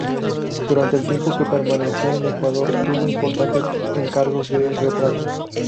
Durante el tiempo que permaneció en Ecuador tuvo importantes encargos de retratos.